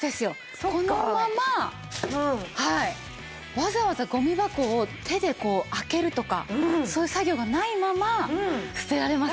わざわざゴミ箱を手で開けるとかそういう作業がないまま捨てられますよ。